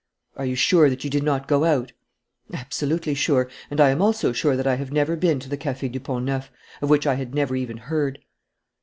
"Are you sure that you did not go out?" "Absolutely sure. And I am also sure that I have never been to the Café du Pont Neuf, of which I had never even heard."